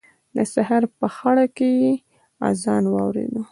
د سهار په خړه کې يې اذان واورېد.